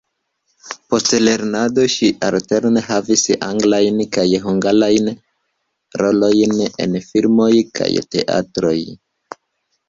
Post lernado ŝi alterne havis anglajn kaj hungarajn rolojn en filmoj kaj teatroj.